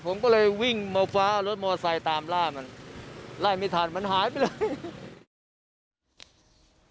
ผมก็เลยวิ่งมาฟ้ารถมอไซค์ตามล่ามันไล่ไม่ทันมันหายไปเลย